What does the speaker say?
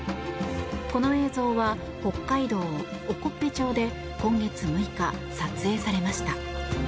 この映像は北海道興部町で今月６日、撮影されました。